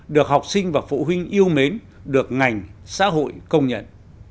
được học sinh và phụ huynh yêu mến được ngành xã hội công nhận